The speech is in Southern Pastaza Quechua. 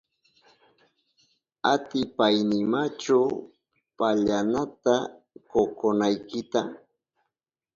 ¿Atipaynimachu pallanata kokonaykita?